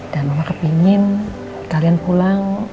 dan mama kepengen kalian pulang